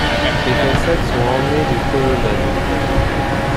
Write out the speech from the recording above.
Les façades sont ornées de colonnades.